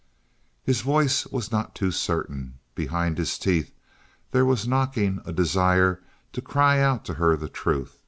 His voice was not too certain; behind his teeth there was knocking a desire to cry out to her the truth.